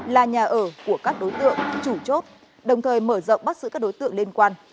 là nhà ở của các đối tượng chủ chốt đồng thời mở rộng bắt giữ các đối tượng liên quan